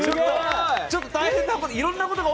ちょっと大変なことに。